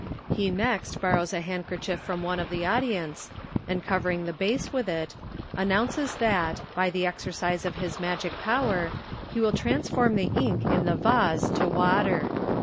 He next borrows a handkerchief from one of the audience, and covering the vase with H, announces that, by the exercise of his magic power, he will trans form the ink in the vase to water.